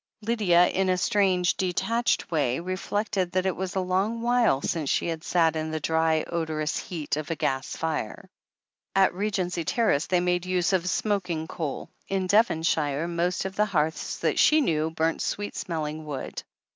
Lydia, in a strange, detached way, reflected that it was a long while since she had sat in the dry, odorous heat of a gas fire. At Regency Ter race they made use of smoking coal, in Devonshire, most of the hearths that she knew burnt sweet smelling wood.